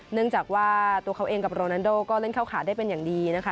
เนื่องจากว่าตัวเขาเองกับโรนันโดก็เล่นเข้าขาได้เป็นอย่างดีนะคะ